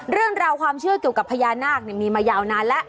เรื่องราวความเชื่อเกี่ยวกับพญานาคมีมายาวนานแล้ว